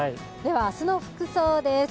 明日の服装です。